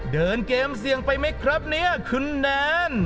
เดินเกมเสี่ยงไปไหมครับเนี่ยคุณแนน